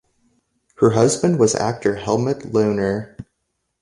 Her husband was actor Helmuth Lohner.